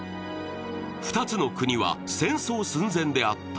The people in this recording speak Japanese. ２つの国は戦争寸前であった。